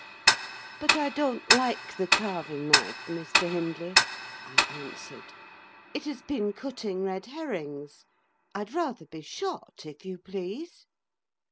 "But I don't like the carving knife, Mr. Hindley," I answered; "it has been cutting red herrings. I'd rather be shot, if you please."